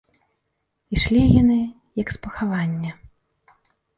Ішлі яны, як з пахавання.